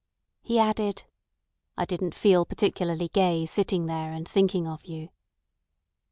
He added: "I didn't feel particularly gay sitting there and thinking of you."